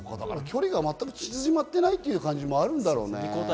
距離が全く縮まっていない感じもあるんだろうね。